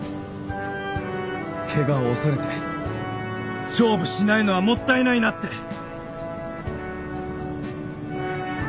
怪我を恐れて勝負しないのはもったいないなって。